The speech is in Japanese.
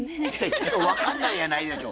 「ちょっと分かんない」やないでしょ。